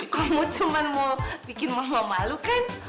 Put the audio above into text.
kamu cuma mau bikin mama malu kan